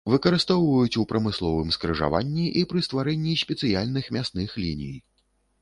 Выкарыстоўваюць у прамысловым скрыжаванні і пры стварэнні спецыяльных мясных ліній.